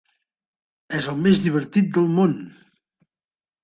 És el més divertit del món!